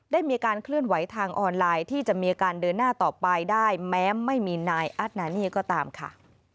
ได้มีการเคลื่อนไหวทางออนไลน์ที่จะมีอาการเดินหน้าต่อไปได้แม้ไม่มีนายอัตนานี่ก็ตามค่ะ